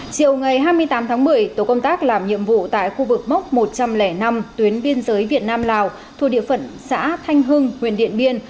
chiều ngày hai mươi tám tháng một mươi tổ công tác làm nhiệm vụ tại khu vực mốc một trăm linh năm tuyến biên giới việt nam lào thuộc địa phận xã thanh hưng huyện điện biên